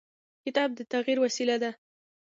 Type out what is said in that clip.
کتاب د تغیر وسیله ده.